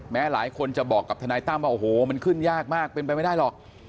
หลายคนจะบอกกับทนายตั้มว่าโอ้โหมันขึ้นยากมากเป็นไปไม่ได้หรอก